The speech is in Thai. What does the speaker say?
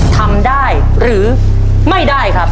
ทำได้หรือไม่ได้ครับ